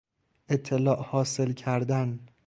اطلاع حاصل کردن